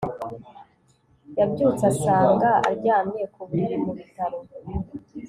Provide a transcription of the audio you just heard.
Yabyutse asanga aryamye ku buriri mu bitaro